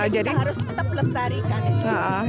jadi kita harus tetap melestarikan